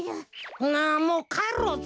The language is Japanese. なあもうかえろうぜ。